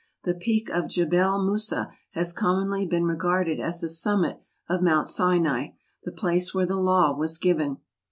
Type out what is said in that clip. The peak of Jebel Musa has commonly been regarded as the summit of Mount Sinai, the place where the Law was given.